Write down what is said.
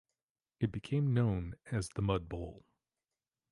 It became known as "The Mud Bowl".